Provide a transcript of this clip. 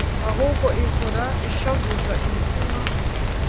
Ahubwo ihora ishavuza imitima